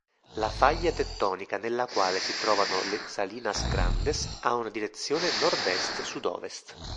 La faglia tettonica nella quale si trovano le Salinas Grandes ha una direzione nordest-sudovest.